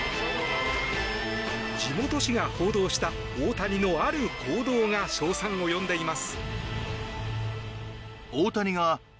地元紙が報道した大谷のある行動が称賛を呼んでいます。